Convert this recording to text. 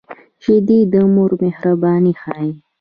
شیدې د مور مهرباني ښيي